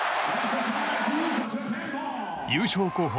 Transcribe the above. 優勝候補